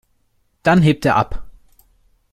Dann hebt er ab.